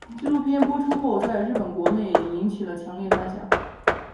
纪录片播出后在日本国内引起强烈反响。